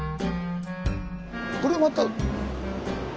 これまた。